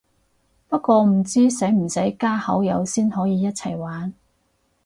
不過唔知使唔使加好友先可以一齊玩